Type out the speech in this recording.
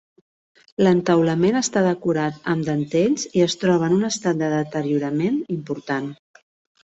L'entaulament està decorat amb dentells i es troba en un estat de deteriorament important.